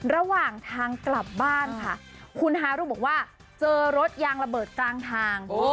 ระหว่างทางกลับบ้านค่ะคุณฮารุบอกว่าเจอรถยางระเบิดกลางทาง